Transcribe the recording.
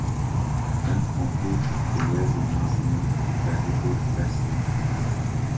When completed the vessel was named "Beluga Festivity".